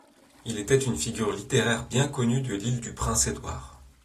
Il était une figure littéraire bien connue de l'Île-du-Prince-Édouard.